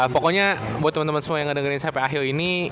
pokoknya buat temen temen semua yang ngedengerin saya p ahil ini